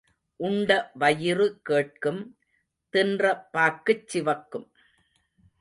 உண்ட வயிறு கேட்கும் தின்ற பாக்குச் சிவக்கும்.